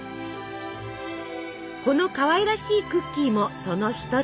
このかわいらしいクッキーもその一つ。